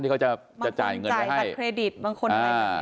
ที่เขาจะจ่ายเงินไปให้บางคนจ่ายกับเครดิตบางคนอะไรแบบนี้